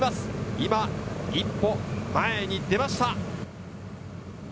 今、一歩前に出ました。